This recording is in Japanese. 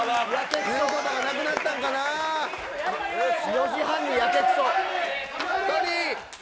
４時半にやけくそ。